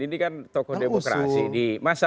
ini kan tokoh demokrasi